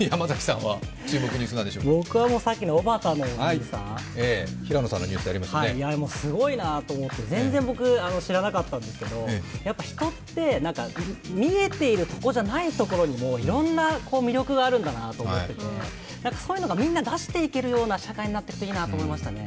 僕はさっきのおばたのお兄さん、すごいなと思って、僕、全然知らなかったんですけど、人って見えているところじゃないところにもいろんな魅力があるんだなと思ってて、そういうのがみんな出していけるような社会になっていくといいと思いましたね。